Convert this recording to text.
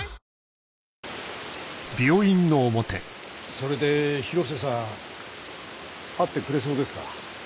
それで広瀬さん会ってくれそうですか？